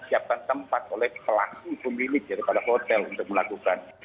siapkan tempat oleh pelaku pemilik daripada hotel untuk melakukan